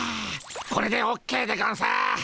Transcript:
これでオッケーでゴンス。